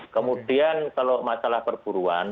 kemudian kalau masalah perburuan